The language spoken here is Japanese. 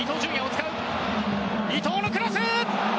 伊東のクロス！